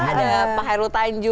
ada pak heru tanju